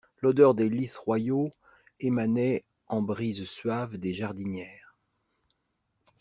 L'odeur des lys royaux émanait en brises suaves des jardinières.